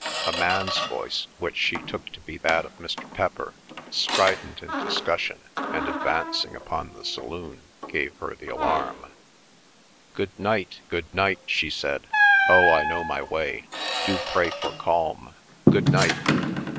A man's voice, which she took to be that of Mr. Pepper, strident in discussion, and advancing upon the saloon, gave her the alarm. "Good night—good night!" she said. "Oh, I know my way—do pray for calm! Good night!"